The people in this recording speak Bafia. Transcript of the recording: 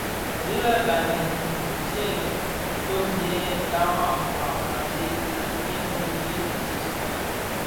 Dii lè Banèn di a tsee tsom yè tara kpag a bheg adyèm dhi Jesu - Kristus.